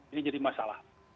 ini jadi masalah